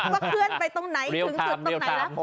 เสร็จไปตรงไหนถึงจุดตรงไหนบ้าง